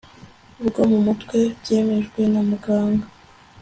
bwo mu mutwe byemejwe na muganga